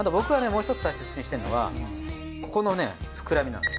もうひとつ大切にしてるのはここのね膨らみなんです。